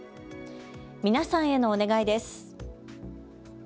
皆さんへのお願いです。